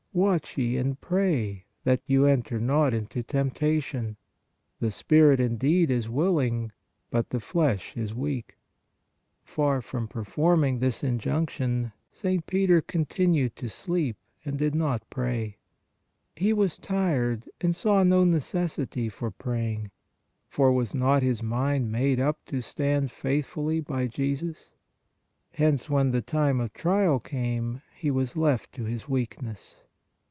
Watch ye and pray that you enter not into tempta tion. The spirit indeed is willing, but the flesh is weak." Far from performing this injunction, St. Peter continued to sleep and did not pray. He was tired, and saw no necessity for praying, for was not his mind made up to stand faithfully by Jesus? Hence when the time of trial came, he was left to his weakness.